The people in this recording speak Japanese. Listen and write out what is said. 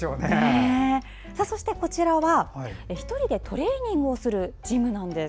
そしてこちらは、１人でトレーニングをするジムです。